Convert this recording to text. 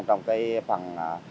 trong cái phần